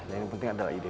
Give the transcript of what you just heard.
yang penting adalah ide